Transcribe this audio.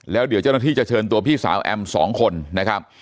แล้วเดี๋ยวเจ้าหน้าที่จะเชิญตัวพี่สาวแอม๒คนนะครับ